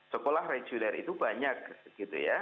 sekolah reguler itu banyak gitu ya